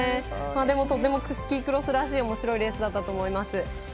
でも、とてもスキークロスらしいおもしろいレースだったと思います。